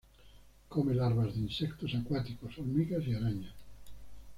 Come larvas de insectos acuáticos, hormigas y arañas.